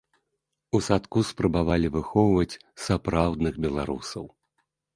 У садку спрабавалі выхоўваць сапраўдных беларусаў.